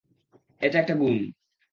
এটা একটা গুণ!